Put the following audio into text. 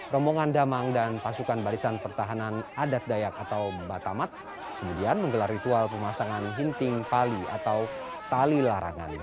rombongan damang dan pasukan barisan pertahanan adat dayak atau batamat kemudian menggelar ritual pemasangan hinting pali atau tali larangan